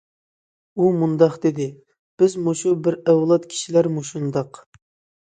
ئۇ مۇنداق دېدى:« بىز مۇشۇ بىر ئەۋلاد كىشىلەر مۇشۇنداق».